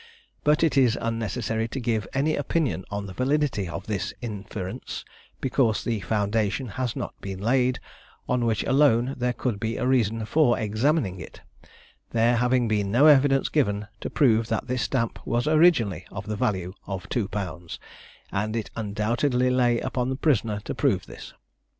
But it is unnecessary to give any opinion on the validity of this inference, because the foundation has not been laid, on which alone there could be a reason for examining it, there having been no evidence given to prove that this stamp was originally of the value of two pounds, and it undoubtedly lay upon the prisoner to prove this.